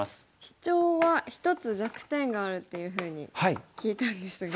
シチョウは一つ弱点があるっていうふうに聞いたんですが。